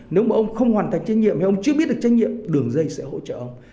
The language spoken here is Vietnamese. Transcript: nếu mà ông không hoàn thành trách nhiệm hay ông chưa biết được trách nhiệm đường dây sẽ hỗ trợ ông